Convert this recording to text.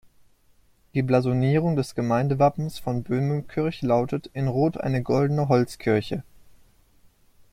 Die Blasonierung des Gemeindewappens von Böhmenkirch lautet: "In Rot eine goldene Holzkirche".